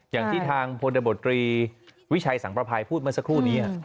อย่างที่ทางพลตบตรีวิชัยสังประภัยพูดเมื่อสักครู่นี้